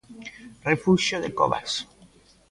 Refuxio de Covas.